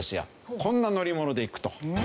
こんな乗り物で行くと。